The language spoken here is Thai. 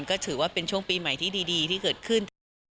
ก็ถือว่าเป็นช่วงปีใหม่ที่ดีที่เกิดขึ้นค่ะ